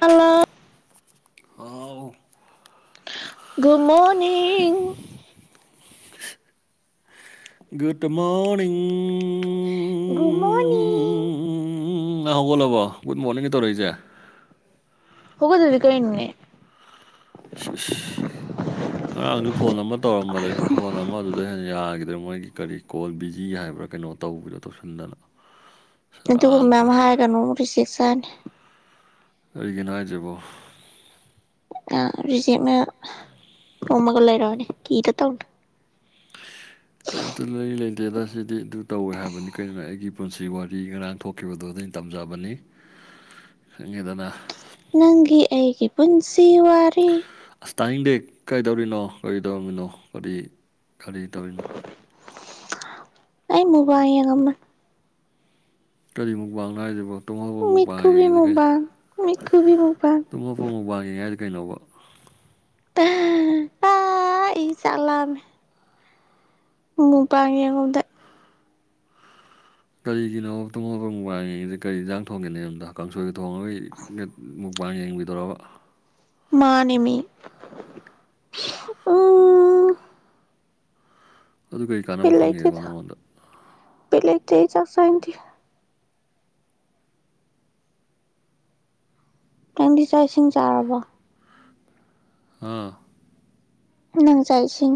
Hello how good morning good ꯃꯣꯅꯤꯡ ꯨꯃꯣꯅꯤ ꯎ ꯉꯪ ꯍꯧꯒꯠꯂꯕꯣ ꯒꯨꯗ ꯃꯣꯔꯅꯤꯡꯒ ꯇꯧꯔꯛꯏꯁꯦ ꯍꯣꯒꯠ ꯇꯔꯗꯤ ꯀꯩꯅꯣꯅꯦ ꯏꯁ ꯏꯁ ꯉꯔꯥꯡꯗꯨ ꯐꯣꯟ ꯑꯃ ꯇꯧꯔꯝꯕꯗꯒꯤ ꯐꯣꯟ ꯑꯃꯗꯨꯗ ꯍꯦꯟꯅ ꯌꯥꯈꯤꯗ꯭ꯔꯦ ꯃꯣꯏꯒꯤ ꯀꯔꯤ ꯀꯣꯜ ꯕꯤꯖꯤ ꯍꯥꯏꯕ꯭ꯔꯥ ꯀꯩꯅꯣ ꯇꯧꯕꯤꯗꯣ ꯇꯧꯁꯤꯟꯗꯅ ꯁꯦꯔꯥꯟ ꯑꯗꯨꯒꯨꯝꯕ ꯃꯌꯥꯝ ꯇꯨꯔꯥꯟ ꯍꯥꯏꯒꯅꯨ ꯑꯃꯨꯛ ꯔꯤꯖꯦꯛ ꯆꯥꯅꯤ ꯀꯔꯤꯒꯤꯅꯣ ꯍꯥꯏꯖꯤꯕꯣ ꯑ ꯔꯤꯖꯦꯛꯅ ꯌꯣꯝꯃꯒ ꯂꯩꯔꯕꯅꯦ ꯀꯤꯗ ꯇꯧꯅꯨ ꯀꯔꯤꯝꯇ ꯂꯩꯔꯤ ꯂꯩꯇꯦꯗ ꯁꯤꯗꯤ ꯑꯗꯨ ꯇꯧꯋꯦ ꯍꯥꯏꯕꯅꯤ ꯀꯔꯤꯒꯤꯅꯣ ꯑꯩꯒꯤ ꯄꯨꯟꯁꯤ ꯋꯥꯔꯤ ꯉꯔꯥꯡ ꯊꯣꯛ ꯊꯣꯛꯈꯤꯕꯗꯨ ꯑꯗꯨꯒꯤ ꯇꯝꯖꯕꯅꯤ ꯈꯪꯉꯦꯗꯅ ꯅꯪꯒꯤ ꯑꯩꯒꯤ ꯄꯨꯟꯁꯤ ꯋꯥꯔꯤ ꯑꯁ ꯇꯥꯅꯤꯡꯗꯦ ꯀꯔꯤꯗꯧꯔꯤꯅꯣ ꯀꯔꯤ ꯇꯧꯔꯝꯃꯤꯅꯣ ꯀꯔꯤ ꯀꯔꯤ ꯇꯧꯔꯤꯅꯣ ꯑꯩ ꯃꯨꯛꯕꯥꯡ ꯌꯦꯡꯉꯝꯕꯅꯤ ꯀꯔꯤ ꯃꯨꯛꯕꯥꯡꯅꯣ ꯍꯥꯏꯁꯤꯕꯣ ꯇꯨꯝꯍꯧꯕ ꯃꯨꯛꯕꯥꯡ ꯃꯤꯠꯈꯨꯕꯤ ꯌꯦꯡꯉꯤꯁꯤ ꯀꯩꯅꯣ ꯃꯨꯛꯕꯥꯡ ꯍꯣꯡ ꯃꯨꯛꯕꯥꯡꯅꯦ ꯍꯥꯏꯖꯦ ꯀꯩꯅꯣꯕ ꯄ ꯑ ꯑꯩ ꯆꯥꯛ ꯂꯥꯝꯃꯦ ꯃꯨꯛꯕꯥꯡ ꯌꯦꯡꯉꯨꯕꯗꯒꯤ ꯀꯔꯤꯒꯤꯅꯣꯕ ꯇꯨꯝ ꯍꯧꯒꯠꯄꯒ ꯃꯨꯛꯕꯥꯥꯡ ꯌꯦꯡꯉꯤꯗꯤ ꯀꯔꯤ ꯏꯟꯖꯥꯡ ꯊꯣꯡꯒꯦ ꯅꯌꯨꯝꯗ ꯀꯥꯡꯁꯣꯏꯒ ꯊꯣꯡꯉꯒ ꯌꯦ ꯒ ꯃꯨꯛ [unintelligible] ꯌꯦꯡꯕꯤꯗꯣꯔꯕ ꯃꯥꯅꯤꯃꯤ ꯑꯝ ꯑꯗꯨ ꯀꯩ ꯕꯤꯠ ꯀꯥꯟꯅꯕ ꯈꯪꯉꯦꯕ ꯂꯩꯇꯦꯗ ꯅꯪꯉꯣꯟꯗ ꯕꯤꯠ ꯂꯩꯇꯦ ꯑꯩ ꯆꯅꯤꯡꯗꯦb ꯅꯪꯗꯤ ꯆꯥꯛ ꯏꯁꯤꯡ ꯆꯥꯔꯕꯣ ꯑꯥ ꯅꯪ ꯆꯥꯛ ꯏꯁꯤꯡ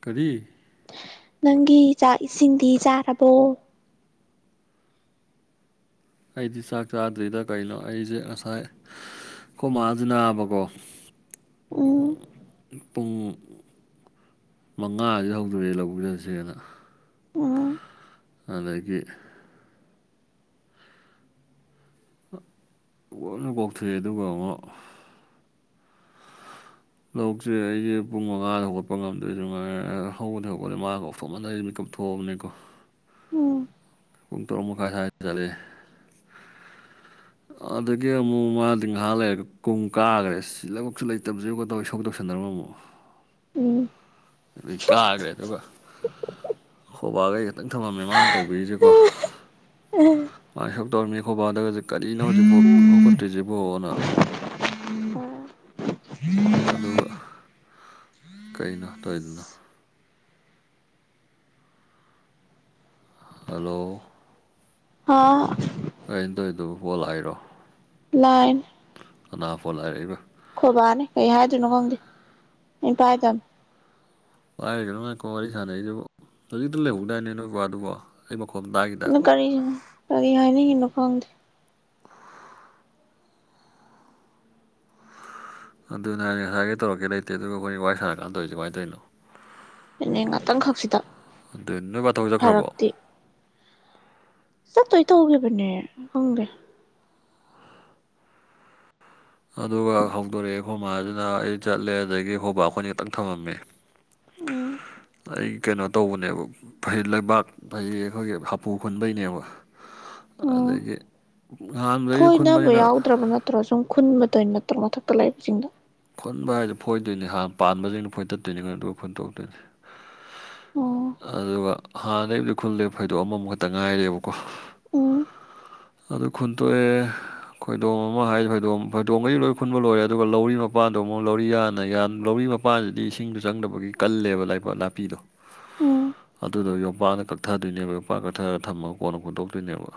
ꯀꯔꯤ ꯅꯪꯒꯤ ꯆꯥꯛ ꯏꯁꯤꯡꯗꯤ ꯆꯥꯔꯕꯣ ꯑꯩꯗꯤ ꯆꯥꯛ ꯆꯥꯗ꯭ꯔꯤꯗ ꯀꯩꯅꯣ ꯑꯩꯁꯦ ꯉꯁꯥꯏ ꯑꯈꯣꯏ ꯃꯥꯁꯨ ꯅꯥꯕꯀꯣ ꯎꯝ ꯄꯨꯡ ꯃꯪꯉꯥꯗ ꯍꯧꯗꯣꯔꯛꯑꯦ ꯂꯧꯕꯨꯛ ꯆꯠꯁꯦꯅ ꯑ ꯑꯗꯒꯤ ꯀꯣꯟꯅ ꯀꯣꯛꯊꯣꯛꯑ ꯑꯗꯨꯒ ꯉꯣ ꯂꯧꯁꯦ ꯑꯩꯁꯦ ꯄꯨꯡ ꯃꯪꯉꯥꯗ ꯍꯧꯒꯠꯄ ꯉꯝꯗ꯭ꯔꯦ ꯅꯨꯡ ꯉꯥꯏꯔ ꯍꯧꯒꯠꯇꯤ ꯍꯧꯒꯠꯂꯦ ꯃꯥꯅ ꯀꯧꯊꯣꯛꯃꯟꯗꯅ ꯑꯩꯁꯦ ꯃꯤꯠ ꯀꯞꯊꯣꯛ ꯊꯣꯛꯑꯕꯅꯤꯀꯣ ꯎꯝ ꯄꯨꯡ ꯇꯔꯨꯛ ꯃꯈꯥꯏꯁꯥꯏ ꯆꯠꯂꯦ ꯑꯗꯒꯤ ꯑꯃꯨꯛ ꯃꯥꯗꯤ ꯉꯍꯥꯛ ꯂꯩꯔꯒ ꯀꯨꯝ ꯀꯥꯈ꯭ꯔꯦ ꯁꯤ ꯂꯧꯕꯨꯛꯁꯨ ꯂꯩꯇꯕꯖꯤꯕꯨꯒ ꯇꯧꯔ ꯏꯁꯧ ꯇꯧ [unintelligible] ꯎꯝ ꯑꯗꯩ ꯀꯥꯈ꯭ꯔꯦ ꯑꯗꯨꯒ ꯋꯥꯈ ꯑꯇꯪ ꯊꯝꯃꯝꯃꯦ ꯃꯥꯅ ꯇꯧꯕꯤꯔꯤꯁꯦꯀꯣ ꯃꯥ ꯏꯁꯧ ꯇꯧꯔꯝꯃꯤ ꯑꯈꯣꯏꯕꯥꯗꯒꯖꯦ ꯀꯔꯤꯅꯣ ꯍꯧꯖꯤꯛꯐꯥꯎ ꯍꯧꯀꯠꯇ꯭ꯔꯤꯁꯤꯕꯣꯅ ꯑꯗꯨꯒ ꯀꯩꯅꯣ ꯇꯧꯏꯗꯨꯅ ꯍꯜꯂꯣ ꯍ ꯀꯩꯅꯣ ꯇꯧꯗꯨꯕꯨ ꯀꯣꯜ ꯂꯥꯛꯏꯔꯣ ꯂꯥꯛꯏꯅꯦ ꯀꯅꯥ ꯐꯣꯟ ꯂꯥꯛꯏꯕ ꯈꯣꯕꯥꯅꯤ ꯀꯩ ꯍꯥꯏꯗꯣꯏꯅꯣ ꯈꯪꯗꯦ ꯏ ꯄꯥꯏꯗ ꯄꯗꯅꯣ ꯅꯀꯣ ꯋꯥꯔꯤ ꯁꯥꯟꯅꯔꯤꯁꯤ ꯍꯧꯖꯤꯛꯇ ꯂꯩꯍꯧꯗꯥꯏꯅꯦ ꯅꯣꯏ ꯕꯕꯥ ꯑꯗꯨꯕꯣ ꯑꯩ ꯃꯈꯀꯣꯟꯝꯗ ꯀꯔꯤ ꯀꯔꯤ ꯍꯥꯏꯅꯤ ꯍꯅ ꯐꯗꯤ ꯑꯗꯨ ꯅ ꯉꯁꯥꯏꯒꯤ ꯇꯧꯔꯛꯀꯦ ꯂꯩꯇꯦ ꯑꯗꯨꯒ ꯑꯩꯈꯣꯏ ꯋꯥꯔꯤ ꯁꯥꯟꯅꯀꯥꯟꯗ ꯇꯧꯔꯤꯁꯦ ꯀꯃꯥꯏꯅꯗꯣꯏꯅꯣ ꯑꯅꯦ ꯉꯥꯛꯇꯪꯈꯛꯁꯤꯗ ꯅꯣꯏ ꯕꯥ ꯊꯕꯛ ꯆꯠꯈ꯭ꯔꯕꯣ ꯐꯔꯛꯇꯦ ꯆꯠꯇꯣꯏ ꯇꯧꯈꯤꯕꯅꯦ ꯈꯪꯗꯦ ꯑꯗꯨꯒ ꯍꯧꯗꯣꯔꯛꯑꯦ ꯈꯣꯃꯁꯤꯅ ꯑꯩ ꯆꯠꯂꯦ ꯑꯗꯒꯤ ꯈꯣꯕ ꯑꯩꯈꯣꯏ ꯈꯤꯇꯪ ꯊꯝꯃꯝꯃꯦ ꯑꯣ ꯑꯩ ꯀꯩꯅꯣ ꯇꯧꯕꯅꯦꯕ ꯐ ꯂꯩꯕꯥꯛ ꯐꯩ ꯑꯩꯈꯣꯏꯒꯤ ꯍꯥꯄꯨ ꯈꯨꯟꯕꯩꯅꯦꯕ ꯎꯝ ꯑꯗꯒꯤ ꯑꯍꯥꯟꯕꯗꯩꯁꯨ ꯈꯨꯟꯕꯅꯤꯅ ꯅꯠꯇ꯭ꯔꯒ ꯁꯨꯝ ꯈꯨꯟ ꯃꯇ ꯅꯠꯇ꯭ꯔꯒ ꯃꯊꯛꯇ ꯂꯥꯛꯏꯕꯁꯤꯡꯗ ꯈꯟꯕ ꯍꯥꯏꯗꯣ ꯐꯣꯏꯗꯣꯏꯅꯤ ꯍꯥꯟꯅ ꯄꯥꯟꯕꯁꯤꯡꯅ ꯐꯣꯏ ꯇꯠꯇꯣꯏꯅꯤꯉꯣ ꯑꯗꯨꯒ ꯐꯣꯏꯣꯟ ꯇꯣꯛꯇꯣꯏꯅꯤ ꯎꯝ ꯑꯗꯨꯒ ꯍꯥꯟꯅꯩꯕꯨꯗꯤ ꯈꯨꯜꯂꯦ ꯐꯣꯏꯗꯣꯛꯑ ꯑꯃꯃꯨꯈꯛꯇ ꯉꯥꯏꯔꯦꯕꯀꯣ ꯎ ꯑꯗꯨ ꯈꯨꯟꯇꯣꯛꯑꯦ ꯈꯣꯏꯗꯣꯡꯝ ꯑꯃ ꯍꯥꯏꯗꯤ ꯐꯣꯏꯗꯣꯡꯝ ꯐꯣꯏꯗꯣꯝꯒꯩ ꯂꯣꯏ ꯈꯨꯟꯕ ꯂꯣꯏꯔꯦ ꯑꯗꯨꯒ ꯂꯧꯔꯤ ꯃꯄꯥꯟꯗꯣ ꯑꯃꯨꯛ ꯂꯧꯔꯤ ꯌꯥꯅ ꯂꯧꯔꯤ ꯅꯨꯄꯥꯁꯤꯗꯤ ꯏꯁꯤꯡꯗ ꯆꯪꯗꯕꯒꯤ ꯀꯜꯂꯦꯕ ꯂꯩꯕꯥꯛ ꯅꯥꯄꯤꯗꯣ ꯎꯝ ꯑꯗꯨꯗꯣ ꯌꯣꯝꯄꯥꯛꯅ ꯀꯛꯊꯗꯣꯏꯅꯦꯕ ꯌꯣꯄꯥꯛ ꯀꯛꯊꯔꯒ ꯊꯝꯃꯒ ꯀꯣꯟꯅ ꯄꯨꯨꯟꯠꯇꯣꯛꯇꯣꯏꯅꯦꯕ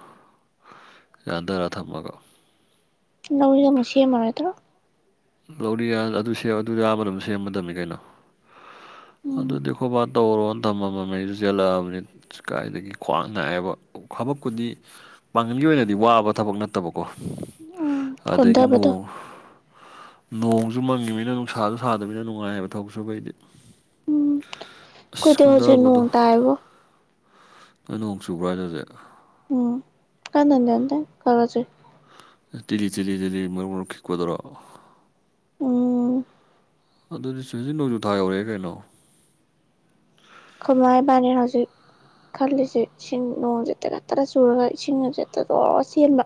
ꯌꯥꯗꯔꯥ ꯊꯝꯃꯒꯣ ꯅꯧꯔꯤꯒ ꯃꯨꯁꯤꯦ ꯃꯥꯔꯣꯏꯗ꯭ꯔꯣ ꯂꯧꯔꯤ ꯑꯗꯨ ꯑꯗꯨ ꯑ ꯑꯃꯅꯣꯝ ꯁꯦꯝꯃꯗꯕꯃꯤ ꯀꯩꯅꯣ ꯎꯝ ꯑꯗꯨꯗꯤꯈꯣ ꯕꯥ ꯇꯧꯔꯣꯅ ꯊꯝꯃꯝꯃꯅꯤꯁꯨ ꯆꯦꯜꯂꯛꯑꯕꯅꯤ ꯀꯥꯏꯗꯒꯤ ꯈ꯭ꯋꯥꯡ ꯅꯥꯏꯑꯦꯕ ꯊꯕꯛꯄꯨꯗꯤ ꯄꯥꯡꯒꯜꯒꯤ ꯑꯣꯏꯅꯗꯤ ꯋꯥꯕ ꯊꯕꯛ ꯅꯠꯇꯕꯀꯣ ꯎꯝ ꯑꯗꯒꯤ ꯀꯣꯟꯊꯕꯗꯣ ꯅꯣꯡ ꯅꯣꯡꯁꯨ ꯃꯪꯉꯤꯃꯤꯅ ꯅꯨꯡꯁꯥꯁꯨ ꯁꯥꯗꯕꯃꯤꯅ ꯅꯨꯡꯉꯥꯏꯑꯕ ꯊꯕꯛꯁꯨꯨꯕꯩꯗꯤ ꯎꯝ ꯑꯁ ꯑꯩꯈꯣꯏꯗꯤ ꯍꯧꯖꯤꯛ ꯀꯨꯟꯊꯕꯗꯣ ꯅꯣꯡ ꯇꯥꯏꯕꯣ ꯅꫭꯏ ꯅꯣꯡ ꯆꯨꯕ꯭ꯔ ꯍꯥꯏꯁꯦ ꯍꯧꯖꯤꯛ ꯎꯝ ꯀꯥꯟꯅ ꯅꯠꯇ‌ꯦ ꯈꯔ ꯈꯔ ꯆꯨꯏ ꯊꯤꯠꯂꯤ ꯊꯤꯠꯂꯤ ꯊꯤꯠꯂꯤ ꯃꯔꯨ ꯃꯔꯨ ꯈꯤꯛꯄꯗꯨꯔꯣ ꯎꯝ ꯑꯗꯨꯗꯤ ꯁꯤ [unintelligible] ꯍꯧꯖꯤꯛ ꯅꯣꯡꯖꯨ ꯊꯥ ꯌꯧꯔꯑ‌ꯦ ꯀꯩꯅꯣ ꯑꯈꫭꯏꯃꯥ ꯏꯕꯅꯤ ꯍꯧꯖꯤꯛ ꯈꯜꯂꯤꯁꯦ ꯏꯁꯤꯡ ꯅꯣꯡꯁꯤ ꯇꯈꯠꯇꯅ ꯆꯨꯔꯒ ꯏꯁꯤꯡ ꯒꯁꯦ ꯇꯈꯠꯇꯅ ꯆꯦꯟꯕ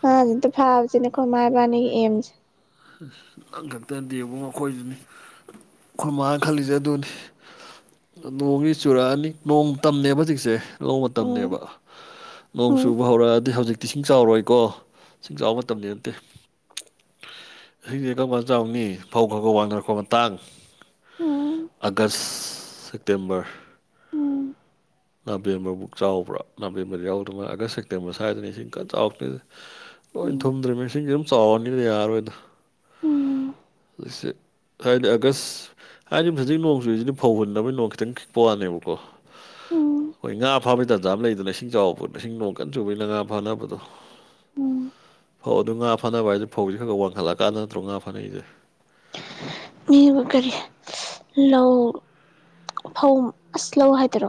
ꯉꯥ‌ ꯑꯝꯇ ꯐꯥꯒ‌ꯦꯁꯤꯅꯤ ꯑꯈꯣꯏꯃꯥꯥ ꯏꯕꯅꯤꯒꯤ ꯑ‌ꯦꯝꯁ‌ꯦ ꯅꯪ ꯈꯛꯇ‌ꯦꯕꯨꯡꯉꫭ ꯑꯈꯣꯏꯖꯨꯅꯤ ꯑꯈꫭꯏꯃꯅꯥ ꯈꯜꯂꯤꯁꯦ ꯑꯗꯨꯅꯤ ꯅꯣꯡꯖꯤ ꯆꯨꯔꯛꯑꯅꯤ ꯅꯣꯡꯃꯇꯅꯦꯕ ꯍꯧꯖꯤꯛꯁꯦ ꯂꯧ ꯎꯝ ꯃꯇꯝꯅꯦꯕ ꯅꯣꯡ ꯎꯝ ꯆꯨꯕ ꯍꯧꯔꯛꯑꯗꯤ ꯍꯧꯖꯤꯛꯇꯤ ꯏꯁꯤꯡ ꯆꯥꯎꯔꯣꯏꯀꯣ ꯏꯁꯤꯡ ꯆꯥꯎꯕ ꯃꯇꯝꯗꯤ ꯅꯠꯇꯦ ꯏꯁꯤꯡꯗꯤ ꯀꯔꯝ ꯀꯥꯟ ꯆꯥꯎꯅꯤ ꯐꯧ ꯈꯔ ꯈꯔ ꯋꯥꯡꯅꯔꯛꯄꯥ ꯃꯇꯥꯡ ꯎꯝ ꯑꯒꯁ ꯁꯦꯞꯇꯦꯝꯕꯔ ꯎꯝ ꯅꯕꯦꯝꯕꯔꯕꯨꯛ ꯆꯥꯎꯕ꯭ꯔꯥ ꯅꯕꯦꯝꯕꯔ ꯌꯥꯎꯗꯕꯃꯜꯂ‌ꯦ ꯑꯥꯒꯁ ꯁꯦꯞꯇꯦꯝꯕꯔ ꯁ꯭ꯋꯥꯏꯗꯅ ꯏꯁꯤꯡ ꯀꯟꯅ ꯆꯥꯎꯔꯛꯇꫭꯏꯖ‌ꯦ ꯂꫭꯏ ꯎꯝ ꯊꯨꯝꯗ꯭ꯔꯨꯃꯤ ꯏꯁꯤꯡꯁꯦ ꯑꯗꯨꯝ ꯆꯥꯎꯔꯅꯤꯅ ꯌꯥꯔꯣꯏꯗꯣ ꯎꯝ ꯁ [unintelligible] ꯊꯅ ꯑꯒꯁ ꯍꯥꯏꯗꯤ ꯍꯖꯤꯛ ꯅꯣꯡ ꯆꯨꯔꯤꯁꯤꯗꯤ ꯐꯧ ꯍꯨꯟꯅꯕꯒꯤ ꯅꯣꯡ ꯈꯤꯇꯪ ꯈꯤꯛꯄ ꯋꯥꯅꯦꯕꯀꯣ ꯎꯝ ꯍꯣꯏ ꯉꯥ ꯐꯥꯕꯩ ꯇꯥꯟꯖꯥ ꯂꯩꯗꯅ ꯏꯁꯤꯡ ꯆꯥꯎꯕ ꯄꯣꯠ ꯏꯁꯤꯡ ꯅꯣꯡ ꯀꯟ ꯆꯨꯕꯩ ꯉꯥ ꯐꯥꯅꯕꯗꯣ ꯎꯝ ꯐꯧ ꯑꯗꯨ ꯉꯥ ꯐꯅꯕ ꯍꯥꯏꯁꯦ ꯐꯧꯁꯤ ꯈꯔ ꯋꯥꯡꯈꯠꯂꯑꯀꯥꯟꯗ ꯅꯠꯇ꯭ꯔꯣ ꯉꯥ ꯐꯅꯩꯁꯦ ꯃꯤꯕꯨ ꯀꯔꯤ ꯂꯧ ꯐꯧ ꯑꯁ ꯂꯧ ꯍꯥꯏꯗꯣꯏꯔꯣ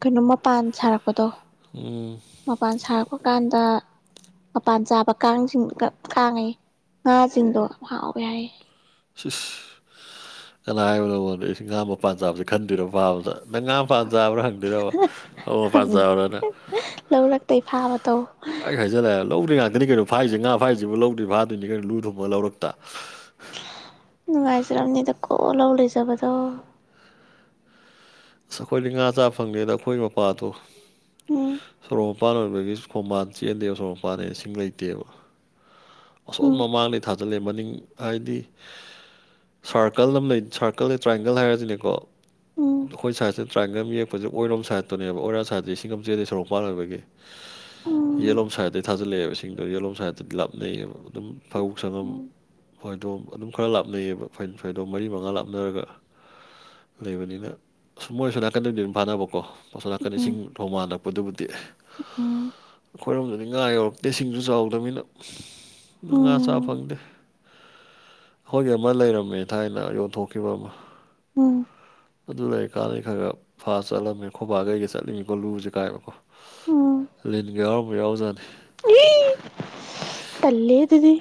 ꯀꯩꯅꯣ ꯃꯄꯥꯟ ꯁꯥꯔꯛꯄꯗꯣ ꯎꯝ ꯃꯄꯥꯟ ꯁꯥꯔꯛꯄ ꯀꯥꯟꯗ ꯃꯄꯥꯟ ꯆꯥꯕ ꯀꯥꯡꯁꯤꯡꯒ ꯀꯥꯡꯑꯌ‌ꯦ ꯉꯥꯁꯤꯡꯗꯣ ꯍꯥꯎꯋ‌ꯦ ꯌꯥꯏꯌꯦ ꯁꯏꯁ ꯀꯅꯥ ꯍꯥꯏꯕ ꯅꯪꯉꯣꯟꯗ ꯑꯩꯁ ꯉꯥ ꯃꯄꯥꯟ ꯆꯥꯕꯕꯁꯤ ꯈꯟꯗꯣꯏꯔꯣ ꯐꯥꯕꯗ ꯅꯪ ꯉꯥ ꯄꯟꯕ ꯆꯕꯔꯥ ꯍꯪꯗꫭꯏꯔꯕ ꯐꯧꯃꯥꯄꯟ ꯆꯕꯔꯥꯅ ꯂꯧꯔꯛꯇꯩ ꯐꯥꯕ ꯇꯧ ꯄꯪꯘꯘꯍꯥꯏꯖꯤꯜꯂꯛꯑꯦ ꯂꯧꯗꯩꯏ ꯉꯥꯛꯇꯅꯤ ꯀꯩꯅꯣ ꯐꯥꯏꯁ‌ꯦ ꯉꯥ ꯐꯥꯏꯁꯤꯕꯨ ꯂꯧꯗꯩꯏ ꯐꯥꯗꯣꯏꯅꯤ ꯀꯩꯅꯣ ꯂꯨ ꯊꯣꯡꯉꯒ ꯂꯧꯔꯛꯇ ꯅꯨꯡꯉꯥꯏꯖꯝꯅꯤꯗ ꯀꯣ ꯂꯧ ꯂꯩꯖꯕꯗꯣ ꯑꯁ ꯑꯩꯈꯣꯏꯗꯤ ꯉꯥ ꯆꯥ ꯐꯪꯗꯦꯗ ꯑꯩꯈꯣꯏ ꯃꯄꯥꯗꯣ ꯎꯝ ꯁꯣꯔꫭꯛ ꯃꯄꯥꯟ ꯑꯣꯏꯕꯒꯤꯁꯨ ꯈꯣꯡꯕꯥꯟ ꯆꯦꯟꯗꯦ ꯁꯣꯔꫭꯛ ꯃꯄꯥꯟꯅꯦꯅ ꯏꯁꯤꯡ ꯂꯩꯇꯦꯕ ꯑꯁꯣꯝ ꯎꯝ ꯃꯃꯥꯡꯗꯩ ꯊꯥꯖꯤꯜꯂꯦ ꯃꯅꯤꯡ ꯍꯥꯏꯗꯤ ꯁꯥꯔꯀꯜ ꯑꯃ ꯂꯩ ꯁꯥꯔꯀꯜꯒꯤ ꯇ꯭ꯔꯥꯏꯌꯦꯡꯒꯜ ꯍꯥꯏꯔꯁꯤꯅꯦꯀꯣ ꯎꯝ ꯑꯩꯈꯣꯏ ꯁ꯭ꯋꯥꯁꯤ ꯇ꯭ꯔꯥꯏꯟꯒꯜ ꯑꯃ ꯌꯦꯛꯄꯁꯦ ꯑꯣꯏꯔꯣꯝ ꯁꯥꯏꯠꯇꯨꯅꯦꯕ ꯑꯣꯏꯔꫭꯝ ꯁꯥꯏꯠꯇ ꯏꯁꯤꯡ ꯑꯃ ꯆꯦꯟꯂ‌ꯦ ꯁꯣꯔꯣꯛꯃꯄꯥꯟ ꯑꯣꯏꯕꯒꯤ ꯎꯝ ꯌꯦꯠꯂꯣꯝ ꯁꯥꯏꯠꯇꯒꯤ ꯊꯥꯖꯤꯜꯂꯛꯑꯦꯕ ꯏꯁꯤꯡꯗꯣ ꯌꯦꯠꯂꯣꯝ ꯁꯥꯏꯠꯇꯗꯤ ꯂꯥꯞꯅꯩꯑꯕ ꯑꯗꯨꯝ ꯐꯧ ꯁꯪꯉꯝ ꯎꯝ ꯐꯩꯗꯣꯝ ꯑꯗꯨꯝ ꯈꯔ ꯂꯥꯞꯅꯩꯌꯦꯕ ꯐꯩ ꯐꯩꯗꯣꯝ ꯃꯔꯤ ꯃꯉꯥ ꯂꯥꯞꯅꯔꯒ ꯂꯩꯕꯅꯤꯅ ꯑꯍ ꯃꯣꯏ ꯑꯁꫭꯝ ꯅꯥꯀꯟꯗꯗꯤ ꯑꯗꯨꯝ ꯐꯥꯅꯕꯀꯣ ꯑꯁꯣꯝ ꯅꯥꯀꯟꯗꯤ ꯏꯁꯤꯡ ꯈꫭꯡꯕꯥꯜꯂꯛꯄꯗꯨꯕꯨꯗꯤ ꯎꯝ ꯑꯩꯈꯣꯏꯔꯣꯝꯗꯗꯤ ꯉꯥ ꯌꯧꯔꯛꯇꯦ ꯏꯁꯤꯡꯁꯨ ꯆꯥꯎꯗꯕꯅꯤꯅ ꯉꯥ ꯁꯥ ꯎꯝ ꯐꯪꯗꯦ ꯑꯈꫭꯏꯒꯤ ꯑꯃ ꯂꯩꯔꯝꯃꯦ ꯊꯥꯏꯅ ꯌꯣꯟꯊꯣꯛꯈꯤꯕ ꯑꯃ ꯎꯝ ꯑꯗꯨ ꯂꯩꯔꯤꯀꯥꯟꯗꯩ ꯈꯔ ꯈꯔ ꯐꯥ ꯆꯠꯂꯝꯃꯦ ꯑꯈꯣꯕꯥꯒ ꯆꯠꯂꯤꯅꯤꯀꯣ ꯂꯨꯁꯦ ꯀꯥꯏꯕꯀꯣ ꯎꯝ ꯂꯤꯟꯒ ꯌꯥꯎꯔꯝꯕ ꯌꯥꯎꯖꯥꯠꯅꯤ ꯇꯜꯂꯦ ꯑꯗꯨꯗꯤ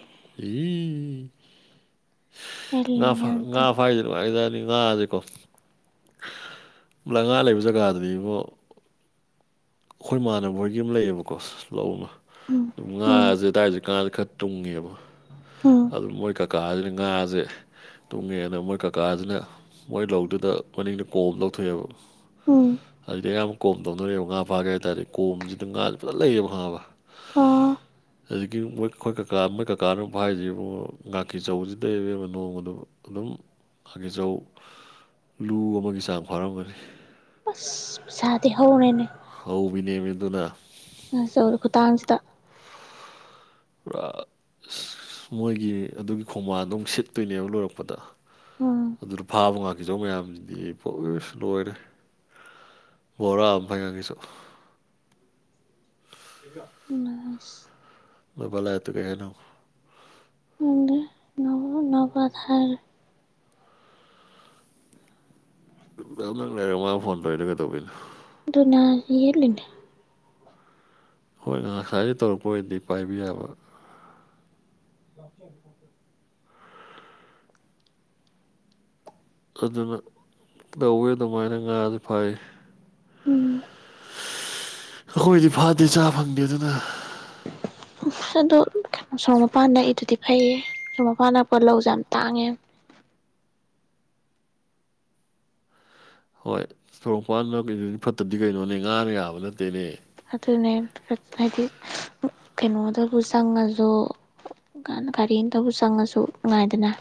ꯉꯥ ꯑꯩꯂꯦꯝꯅ ꯐꯥ ꯌꯥꯝ ꯉꯥ ꯇꯜꯂꯦ ꯐꯥꯏ ꯅꯨꯉꯥꯏꯒ꯭ꯔꯥꯖꯠꯅꯤ ꯉꯥꯖꯤꯀꯣ [unintelligible] ꯂꯩꯉꯥ [unintelligible] ꯂꯩꯕ ꯖꯒꯥꯗꯨꯗꯤ ꯏꯕꯣ ꯑꯩꯈꯣꯏ ꯏꯃꯥꯟꯅꯕꯣꯏꯒꯤ ꯑꯃ ꯂꯩꯌꯦꯕꯀꯣ ꯂꯧꯃꯥ ꯎꯝ ꯑꯗꯨꯝ ꯎꯝ ꯉꯥꯖꯦ ꯑꯗꯨꯗꯥꯏꯖꯦ ꯉꯥꯖꯦ ꯈꯥ ꯇꯨꯡꯉꯦꯕ ꯎꯝ ꯑꯗꯨ ꯃꯣꯏ ꯀꯀꯥꯖꯤꯅ ꯉꯥꯖꯦ ꯇꯨꯡꯉꯦꯅ ꯃꯣꯏ ꯀꯀꯥꯁꯤꯅ ꯃꯣꯏ ꯂꯧꯗꯨꯗ ꯃꯅꯤꯡꯗ ꯀꯣꯝ ꯂꯧꯊꯣꯛꯑꯦꯕ ꯎꯝ ꯑꯗꯨꯗꯤ ꯑꯌꯥꯝꯕ ꯀꯣꯝ ꯇꯧꯅꯔꯦꯑꯕ ꯉꯥ ꯐꯥꯒꯦ ꯍꯥꯏ ꯇꯥꯔꯗꯤ ꯀꯣꯝꯖꯤꯗ ꯉꯥꯥꯖꯦ ꯐꯖꯅ ꯂꯩꯌꯦꯕ ꯈꯉꯥꯕ ꯑꯣ ꯍꯧꯖꯤꯛꯀꯤ ꯃꯣꯏ ꯑꯩꯈꯣꯏ ꯀꯀꯥ ꯃꯣꯏ ꯀꯀꯥꯅ ꯐꯥꯏꯖꯤ ꯏꯕꯨꯡꯉꯣ ꯉꯥꯀꯤ ꯆꯧꯖꯤꯗꯩꯕ ꯅꯣꯡꯗ ꯑꯗꯨꯝ ꯉꯥꯀꯤꯆꯧ ꯂꯨ ꯑꯃꯒꯤ ꯆꯥꯡ ꯐꯥꯔꯝꯒꯅꯤ ꯑꯁ ꯄꯩꯁꯥꯗꯤ ꯍꯧꯔꯦꯅꯦ ꯍꯧꯕꯤꯅꯦꯃꯤ ꯑꯗꯨꯅ ꯉꯥꯛꯆꯧ ꯈꯨꯇꯥꯡꯁꯤꯗ ꯄꯨꯔꯥ ꯃꯣꯏꯒꯤ ꯑꯗꯨꯒꯤ ꯈꯣꯡꯕꯥꯜꯗꯣ ꯑꯃꯨꯛ ꯁꯤꯠꯇꯣꯏꯅꯦꯕ ꯂꯣꯏꯔꯛꯄꯗ ꯎꯝ ꯑꯗꯨꯗ ꯐꯥꯕ ꯉꯥꯛꯀꯤꯖꯧ ꯃꯌꯥꯝꯖꯤꯗꯤ [unintelligible] ꯂꯣꯏꯔꯦ ꯕꯣꯔꯃꯥ ꯐꯥꯏ ꯉꯥꯀꯤꯆꯧ ꯎꯝ [unintelligible] ꯅꯣꯏꯕꯥ ꯂꯥꯑꯦꯇꯨ ꯀꯩ ꯍꯥꯏꯅꯣ [unintelligible] ꯌꯥꯝ ꯅꯛ ꯂꯩꯔꯦ ꯃꯥꯅ ꯐꯣꯟ ꯇꯧꯔꯤꯗꯣ ꯀꯩꯗꯧꯕꯤꯅꯣ ꯑꯗꯨꯅꯦ ꯍꯥꯏꯖꯦ ꯌꯦꯠꯂꯤꯅꯦ ꯍꯣꯏ ꯉꯁꯥꯏꯗ ꯇꯧꯔꯛꯄ ꯑꯣꯏꯔꯗꯤ ꯄꯥꯏꯕ ꯌꯥꯕ [unintelligible] ꯑꯗꯨꯅ ꯇꯧꯋꯦ ꯑꯗꯨꯃꯥꯏꯅ ꯉꯥꯍꯟ ꯐꯥꯏ ꯎꯝ ꯑꯩꯈꯣꯏꯗꯤ ꯐꯥꯗꯦ ꯆꯥ ꯐꯪꯗꯦ ꯑꯗꯨꯅ ꯑꯗꯣ ꯀꯩꯅꯣ ꯁꯣꯔꯣꯛ ꯃꯄꯥꯟ ꯅꯛꯏꯗꯨꯗꯤ ꯐꯩꯌꯦ ꯁꯣꯔ ꯃꯄꯥꯟ ꯅꯛꯄ ꯂꯧꯁꯦ ꯌꯥꯝ ꯇꯥꯡꯉꯦ ꯍꯣꯏ ꯁꯣꯔꯣꯛꯄꯥꯟꯗꯗꯤ ꯐꯠꯇꯕꯗꯤ ꯀꯩꯅꯣꯅꯦ ꯉꯥꯅ ꯌꯥꯕ ꯅꯠꯇꯦꯅꯦ ꯑꯗꯨꯅꯦ ꯍꯥꯏꯗꯤ ꯀꯩꯅꯣꯗꯕꯨ ꯆꯪꯉꯖꯨ ꯒꯥꯔꯤꯇꯕꯨ ꯆꯪꯉꯖꯨ ꯅꯨꯡꯉꯥꯏꯗꯅ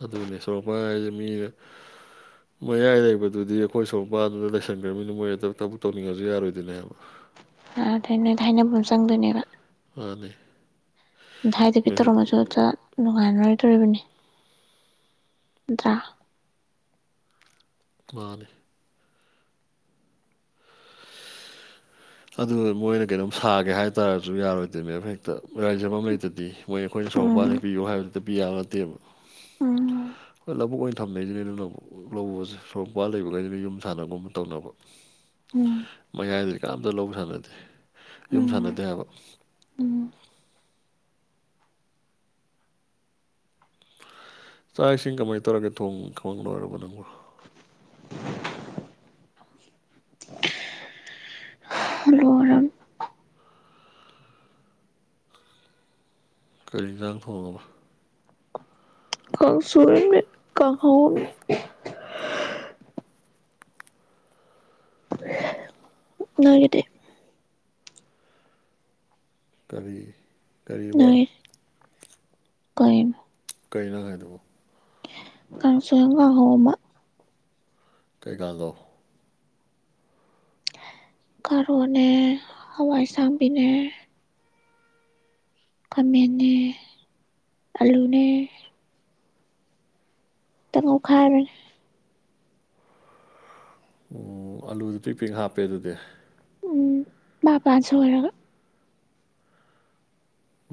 ꯑꯗꯨꯅꯦ ꯁꯣꯔꯣꯛꯄꯥꯟ ꯍꯥꯏꯖꯦ ꯃꯤ ꯃꯌꯥꯏ ꯂꯩꯕꯗꯨꯗꯤ ꯑꯩꯈꯣꯏ ꯁꯣꯔꯣꯛ ꯃꯄꯥꯗꯨꯗ ꯂꯩꯁꯟꯒ꯭ꯔꯕꯃꯤꯅ ꯃꯣꯏ ꯑꯗꯨ ꯊꯕꯛ ꯇꯧꯅꯤꯡꯉꯁꯨ ꯌꯥꯔꯣꯏꯗꯣꯏꯅꯦꯕ ꯑꯗꯩ ꯅꯣꯏꯗ ꯍꯥꯏꯅꯕ ꯑꯃ ꯆꯪꯗꯣꯏꯅꯦꯕ ꯃꯥꯅꯦ ꯑꯗꯥꯏꯗ ꯕꯤ ꯇꯧꯔꯝꯃꯁꯨ ꯅꯨꯡꯉꯥꯏꯅꯔꯣꯏꯗꯣꯔꯤꯕꯅꯤ ꯅꯥꯠꯇꯔꯥ ꯃꯥꯅꯦ ꯑꯗꯨ ꯃꯣꯏꯅ ꯀꯩꯅꯣꯝ ꯁꯥꯒꯦ ꯍꯥꯏꯇꯥꯔꯁꯨ ꯌꯥꯔꯣꯏꯗꯣꯏꯅꯦ ꯃꯦ ꯍꯦꯛꯇ [unintelligible] ꯂꯩꯩꯇꯗꯤ ꯃꯣꯏ ꯑꯩꯈꯣꯏꯅ ꯁꯣꯔꯣꯛ ꯎꯝ ꯃꯄꯥꯟ ꯄꯤꯌꯨ ꯍꯥꯏꯕꯗꯨꯗꯇ ꯄꯤ ꯌꯥꯕ ꯅꯠꯇꯦꯕ ꯎꯝ ꯂꯕꯨ ꯑꯣꯏ ꯊꯝꯅꯩꯖꯤꯅꯦ ꯑꯗꯨꯅ ꯂꯧꯕꯁꯦ ꯁꯣꯔꯣꯛ ꯃꯄꯥꯟ ꯂꯩꯕꯈꯩꯁꯤꯅ ꯌꯨꯝ ꯁꯥꯟꯅꯕꯒꯨꯝꯕ ꯇꯧꯅꯕ ꯎꯝ ꯃꯌꯥꯏꯗꯗꯤ ꯀꯅꯥꯝꯇ ꯂꯧꯕ ꯁꯥꯟꯅꯗꯦ ꯌꯨꯝ ꯎꯝ ꯁꯥꯟꯅꯗꯦ ꯍꯥꯏꯕ ꯎꯝ ꯆꯥꯛ ꯏꯁꯤꯡ ꯀꯃꯥꯏꯅ ꯇꯧꯔꯒꯦ ꯊꯣꯡ ꯊꯣꯡ ꯂꯣꯏꯔꯕ ꯅꯪꯕꯣ ꯂꯣꯏꯔꯥꯃꯤ ꯀꯔꯤ ꯏꯟꯖꯥꯡ ꯊꯣꯡꯉꯥꯕ ꯀꯪꯁꯨꯔꯩꯃꯦ ꯀꯪꯍꯧꯝꯅꯦ ꯅꯣꯒꯤꯗꯤ ꯀꯔꯤ ꯀꯔꯤꯕ ꯅꯣꯏ ꯀꯩꯕ ꯀꯩꯅꯣ ꯅꯪ ꯍꯥꯏꯗꯨꯕꯣ ꯀꯥꯡꯁꯣꯏ ꯑꯃ ꯀꯥꯡꯍꯧ ꯑꯃ ꯀꯩ ꯀꯥꯡꯒꯧ ꯀꯥꯔꯣꯠꯅꯦ ꯍꯋꯥꯏꯁꯥꯡꯕꯤꯅꯦ ꯈꯥꯃꯦꯟꯦ ꯑꯂꯨꯅꯦ ꯈꯤꯇꯪꯈꯥꯏꯔꯅꯦ ꯎ ꯑꯂꯨꯗꯨ ꯄꯔꯤ ꯄꯦꯡ ꯍꯥꯞꯄꯦ ꯑꯗꯨꯗꯤ ꯎꯝ ꯃꯥꯄꯥꯥꯟꯁꯨ ꯑꯣꯏꯣꯏꯔꯒ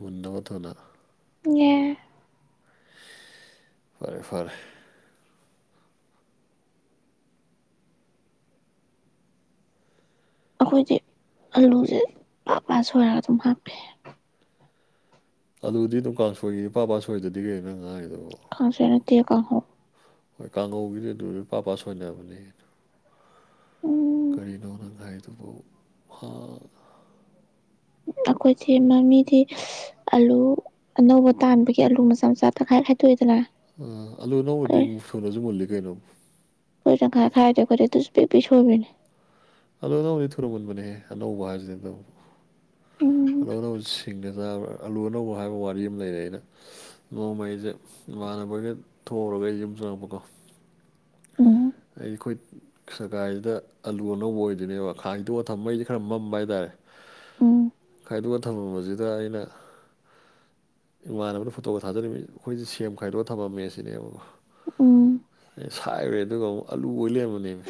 ꯃꯗꯕꯗꯨꯅ ꯌꯦ ꯐꯔꯦ ꯐꯔꯦ ꯑꯩꯈꯣꯏꯗꯤ ꯑꯂꯨꯁꯦ ꯄꯥ ꯄꯥ ꯁꯣꯏꯔꯒ ꯑꯗꯨꯝ ꯍꯥꯞꯄꯤ ꯑꯗꯨꯗꯤ ꯗꯨꯀꯥꯟ ꯁꯣꯏꯒꯤ ꯄꯥꯄꯥ ꯁꯣꯏꯗꯗꯤ ꯀ ꯅ ꯉꯥꯏ ꯑꯗꯨꯕꯨ ꯈꯁꯦꯅꯠꯇ ꯀꯥ ꯍꯣ ꯍꯣꯏ ꯀꯥꯡꯉꯧꯒꯤꯗꯤ ꯑꯗꯨ ꯂꯨꯄꯥ ꯄꯥ ꯁ ꯑꯣꯏꯅꯅꯕꯅꯦ ꯎꯝ ꯀꯔꯤꯅꯣ ꯅꯪ ꯍꯥꯏꯗꯨꯕꯨ ꯑꯩꯈꯣꯏꯁꯤ ꯃꯃꯤꯗꯤ ꯑꯂꯨ ꯑꯅꯧꯕ ꯇꯥꯟꯕꯒꯤ ꯑꯂꯨ ꯃꯆꯥ ꯃꯆꯥ ꯇꯪꯈꯥꯏ ꯍꯥꯏꯗꯣꯛꯑꯦꯗꯅ ꯑꯂꯨ ꯑꯅꯧꯕꯗꯤ ꯑꯃꯨꯛ ꯁꯨꯅꯁꯨ ꯃꯨꯜꯂꯤ ꯀꯩꯅꯣ ꯑꯩꯣꯏꯪ ꯈꯔ ꯈꯥꯏꯗꯦ ꯈꯔꯦ ꯑꯗꯨꯁꯨ ꯄꯦꯄꯤ ꯁꯣꯏꯕꯤꯅꯦ ꯑꯜꯧ ꯑꯅꯧꯕꯅꯤ ꯊꯨꯔꯃꯟꯕꯅꯦꯍꯦ ꯑꯅꯧꯕ ꯍꯥꯏꯁꯤꯅ ꯎꯝ ꯑꯂꯧ ꯑꯅꯧꯕ ꯁꯤꯡꯗ ꯑꯗꯨꯗ ꯑꯂꯨ ꯑꯅꯧ ꯍꯥꯏꯕ ꯋꯥꯔꯤ ꯑꯃ ꯂꯩꯔꯦ ꯑꯩꯅ ꯅꯣꯡꯃ ꯑꯩꯁꯦ ꯏꯃꯅꯕꯒ ꯊꯣꯛꯎꯔꯒ ꯑꯩ ꯌꯨꯝ ꯆꯪꯉꯛꯄꯀꯣ ꯎꯝ ꯑꯩ ꯑꯩꯈꯣꯏ ꯁꯒꯥꯏꯁꯤꯗ ꯑꯂꯨ ꯑꯅꯧꯕ ꯑꯣꯏꯗꯣꯏꯅꯦꯕ ꯈꯥꯡꯁꯤꯗꯣꯛ ꯑꯣ ꯊꯝꯕꯩꯗꯤ ꯈꯔ ꯃꯝꯕ ꯍꯥꯏꯇꯥꯔꯦ ꯎꯝ ꯈꯥꯏꯗꯣꯛꯑꯒ ꯊꯝꯃꯕꯁꯤꯗ ꯑꯩꯅ ꯏꯃꯥꯟꯅꯕꯅ ꯐꯣꯇꯣꯒ ꯊꯥꯖꯔꯤꯕꯃꯤ ꯑꯩꯈꯣꯏꯁꯦ ꯁꯦꯝ ꯈꯥꯏꯗꯣꯛꯒ ꯊꯝꯃꯝꯃꯦ ꯁꯤꯅꯦꯕ ꯎꯝ ꯑꯩ ꯁꯥꯏꯈꯨꯔꯦ ꯑꯗꯨꯒ ꯑꯃꯨꯛ ꯑꯂꯨ ꯑꯣꯏ ꯂꯩꯔꯕꯅꯦꯕ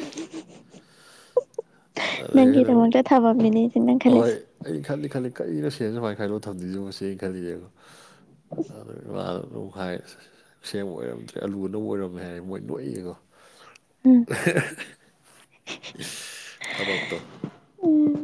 ꯅꯪꯒꯤꯔꯃꯣꯗ ꯊꯥꯕꯃꯤꯅꯤ ꯏꯗꯤ ꯅꯪ ꯈꯜꯂꯤꯦꯁꯦ ꯑꯩꯅ ꯈꯜꯂꯤ ꯈꯜꯂꯤ ꯀꯔꯤꯅ ꯁꯦꯟꯅ ꯁꯨꯃꯥꯏꯅ ꯈꯥꯏꯂꯣ ꯊꯝꯗꯁꯨ ꯉꯁ ꯈꯜꯂꯤꯕ [unintelligible] ꯑꯁꯦꯡꯕ ꯑꯣꯏꯔꯝꯗ꯭ꯔꯦ ꯑꯂꯨ ꯑꯅꯧꯕ ꯑꯣꯏꯔꯝꯃꯦ ꯍꯥꯏꯔꯦ ꯃꯣꯏ ꯅꯣꯛꯏꯌꯦꯡꯉꯣ꯫ ꯎꯝ ꯊꯕꯛ ꯇꯣ꯫ ꯎꯝ